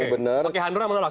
oke hanura menolak